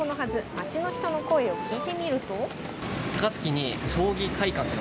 街の人の声を聞いてみると。